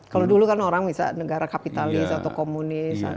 kalau dulu kan orang bisa negara kapitalis atau komunis